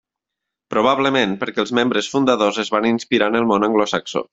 Probablement perquè els membres fundadors es van inspirar en el món anglosaxó.